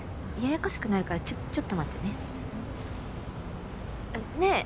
ややこしくなるからちょちょっと待ってね。